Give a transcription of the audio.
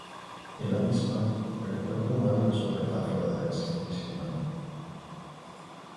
En la misma, el cuerpo humano es una metáfora de la existencia humana.